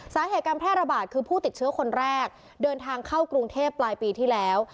สาเหตุการแพร่ระบาดคือผู้ติดเชื้อคนแรกเดินทางเข้ากรุงเทพปลายปีที่แล้ว